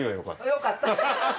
よかった！